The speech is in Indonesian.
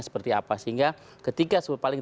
seperti apa sehingga ketika paling